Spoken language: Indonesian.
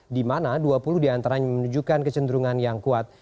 di mana dua puluh diantaranya menunjukkan kecenderungan yang kuat